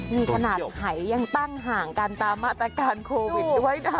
นี่ขนาดหายยังตั้งห่างกันตามมาตรการโควิดด้วยนะ